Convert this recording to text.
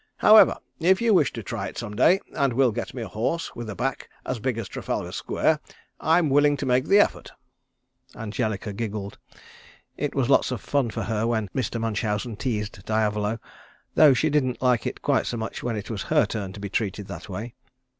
However if you wish to try it some day and will get me a horse with a back as big as Trafalgar Square I'm willing to make the effort." Angelica giggled. It was lots of fun for her when Mr. Munchausen teased Diavolo, though she didn't like it quite so much when it was her turn to be treated that way.